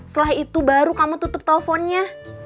setelah itu baru kamu tutup teleponnya